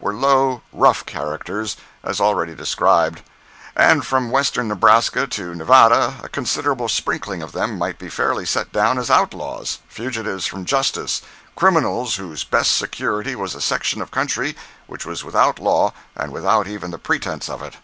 were low, rough characters, as already described; and from western Nebraska to Nevada a considerable sprinkling of them might be fairly set down as outlaws—fugitives from justice, criminals whose best security was a section of country which was without law and without even the pretence of it.